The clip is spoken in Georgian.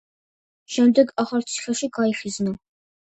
შემდეგ ახალციხეში გაიხიზნა.